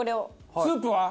スープは？